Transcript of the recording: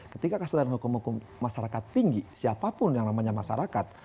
ketika kesadaran hukum hukum masyarakat tinggi siapapun yang namanya masyarakat